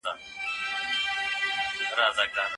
تکنالوژي پرمختيايي هيوادونو ته ډيره ګرانه تمامه سوي وه.